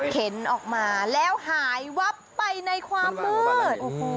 ออกมาแล้วหายวับไปในความมืด